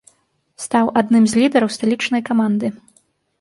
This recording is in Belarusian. Стаў адным з лідараў сталічнай каманды.